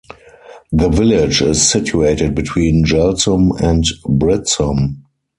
The village is situated between Jelsum and Britsum.